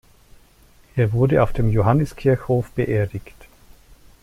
Er wurde auf dem Johanniskirchhof beerdigt.